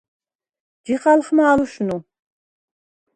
ჯიხალხმა̄ ლუშნუ?